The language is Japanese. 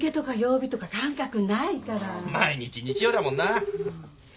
毎日日曜だもんな。